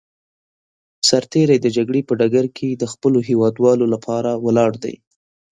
سرتېری د جګړې په ډګر کې د خپلو هېوادوالو لپاره ولاړ دی.